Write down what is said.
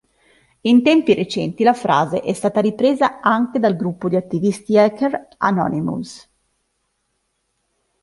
In tempi recenti la frase è stata ripresa anche dal gruppo di attivisti-hacker Anonymous.